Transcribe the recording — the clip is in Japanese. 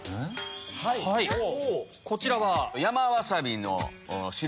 こちらは？